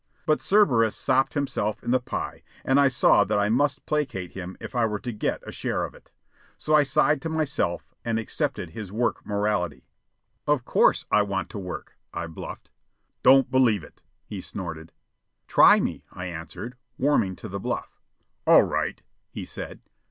But Cerberus sopped himself in the pie, and I saw that I must placate him if I were to get a share of it. So I sighed to myself and accepted his work morality. "Of course I want work," I bluffed. "Don't believe it," he snorted. "Try me," I answered, warming to the bluff. "All right," he said.